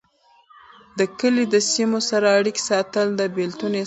د کلي د سیمو سره اړيکې ساتل، د بیلتون احساس کموي.